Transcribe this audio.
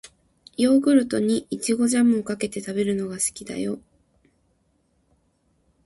ヨーグルトに、いちごジャムをかけて食べるのが好きだよ。